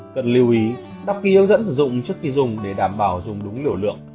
cần lưu ý đọc ký ước dẫn sử dụng trước khi dùng để đảm bảo dùng đúng liều lượng